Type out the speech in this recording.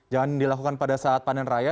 jangan dilakukan pada saat panen raya